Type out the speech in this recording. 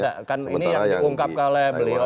enggak kan ini yang diungkapkan oleh beliau